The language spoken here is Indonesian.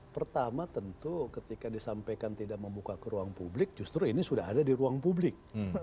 pertama tentu ketika disampaikan tidak membuka ke ruang publik justru ini sudah ada di ruang publik